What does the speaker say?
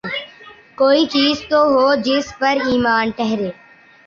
کوئی چیز تو ہو جس پہ ایمان ٹھہرے۔